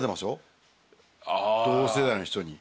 同世代の人に。